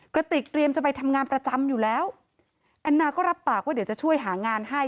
กระติกเตรียมจะไปทำงานประจำอยู่แล้วแอนนาก็รับปากว่าเดี๋ยวจะช่วยหางานให้